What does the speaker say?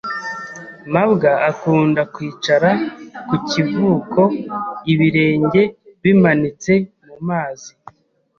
mabwa akunda kwicara ku kivuko ibirenge bimanitse mu mazi.